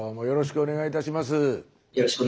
よろしくお願いします。